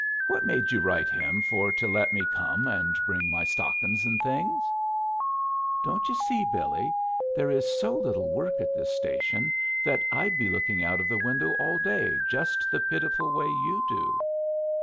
What made you write him for to let me come and bring my stockin's and things?" "Don't you see, Billy, there is so little work at this station that I'd be looking out of the window all day just the pitiful way you do?"